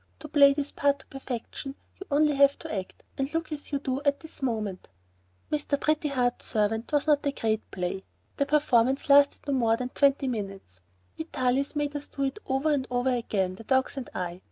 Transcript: To play this part to perfection you have only to act and look as you do at this moment." "Mr. Pretty Heart's Servant" was not a great play. The performance lasted not more than twenty minutes. Vitalis made us do it over and over again, the dogs and I.